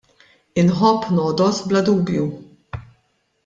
Inħobb nogħdos bla dubju.